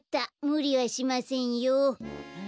むりはしませんよ。